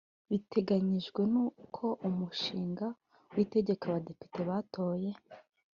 Biteganyijwe ko uwo mushinga w’Itegeko Abadepite batoye